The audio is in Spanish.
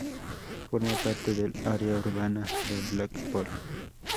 Forma parte del área urbana de Blackpool.